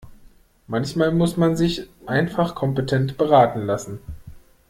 Manchmal muss man sich einfach kompetent beraten lassen.